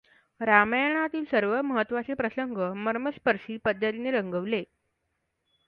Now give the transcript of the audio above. रामायणातील सर्व महत्त्वाचे प्रसंग मर्मस्पर्शी पद्धतीने रंगविले.